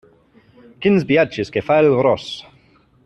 Quins viatges que fa el ros!